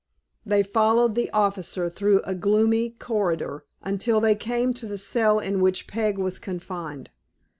They followed the officer through a gloomy corridor, until they came to the cell in which Peg was confined.